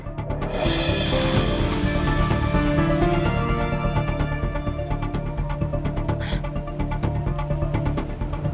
pertama kali aku ngekoneksikan